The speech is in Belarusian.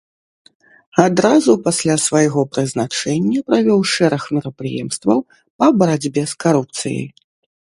Адразу пасля свайго прызначэння правёў шэраг мерапрыемстваў па барацьбе з карупцыяй.